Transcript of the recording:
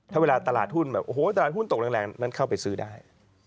ถ้าเวลาตลาดหุ้นตกแรงมันเข้าไปซื้อได้